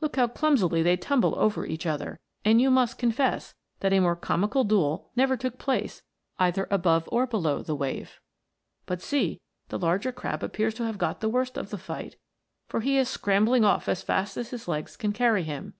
Look how clumsily they tumble over each other, and you must confess that a more comical duel never took place either above or below the wave. But see, the larger crab appears to have got the worst of the fight, for he is scrambling off as fast as his legs can carry him.